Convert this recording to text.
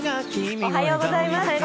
おはようございます。